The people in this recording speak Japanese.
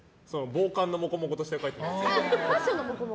防寒のもこもことして描いてないですよ。